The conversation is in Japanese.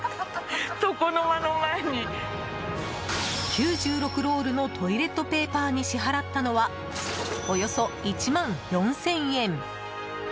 ９６ロールのトイレットペーパーに支払ったのはおよそ１万４０００円。